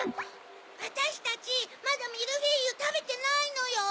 ・わたしたちまだミルフィーユたべてないのよ。